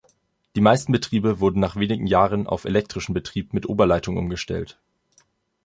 Die meisten Betriebe wurden nach wenigen Jahren auf elektrischen Betrieb mit Oberleitung umgestellt.